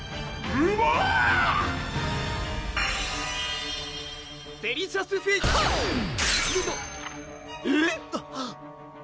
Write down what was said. うわっ！